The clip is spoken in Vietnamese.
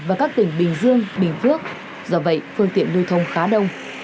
và các tỉnh bình dương bình phước do vậy phương tiện lưu thông khá đông